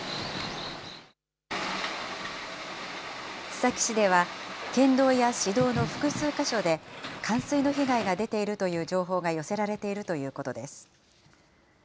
須崎市では、県道や市道の複数箇所で、冠水の被害が出ているという情報が寄せられているということです。